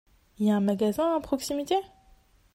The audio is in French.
Il y a un magasin à proximité ?